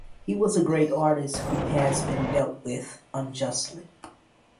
He was a great artist who has been dealt with unjustly.